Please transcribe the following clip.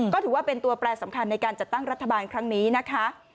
ก็ถือว่าเป็นตัวแปรสำคัญในการจัดตั้งรัฐบาลครั้งนี้นะคะ